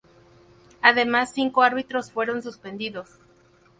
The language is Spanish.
Además cinco árbitros fueron suspendidos.